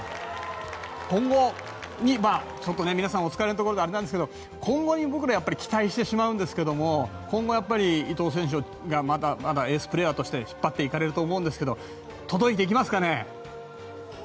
今後に皆さんお疲れのところであれなんですが今後に僕ら期待してしまうんですけど今後、伊藤選手がまだまだエースプレーヤーとして引っ張って行かれると思うんですが届いていきますかね？